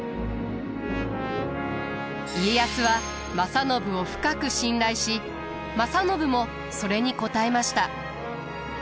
家康は正信を深く信頼し正信もそれに応えました。